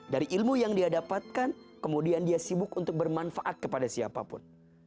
dari ilmu yang dia dapatkan kemudian dia sibuk untuk bermanfaat kepada siapapun